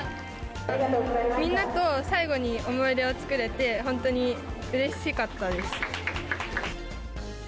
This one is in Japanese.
みんなと最後に思い出を作れて、本当にうれしかったです。